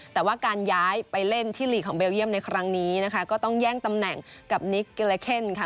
แต่ว่าการย้ายไปเล่นที่หลีกของเบลเยี่ยมในครั้งนี้นะคะก็ต้องแย่งตำแหน่งกับนิกเกลเคนค่ะ